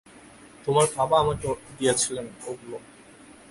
তোমার বাবা আমাকে দিয়েছিলেন ওগুলো।